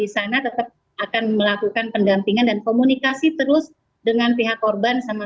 di sana tetap akan melakukan pendampingan dan komunikasi terus dengan pihak korban sama